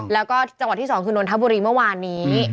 แล้วก็จังหวัดที่๒คือนนทบุรีเมื่อวานนี้